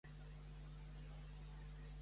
També és membre del Club de Madrid.